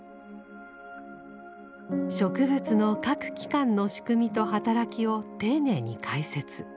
植物の各器官の仕組みと働きを丁寧に解説。